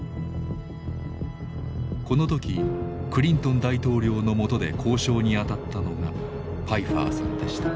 この時クリントン大統領のもとで交渉にあたったのがパイファーさんでした。